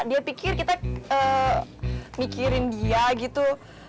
dia pikir kita mikirin dia gitu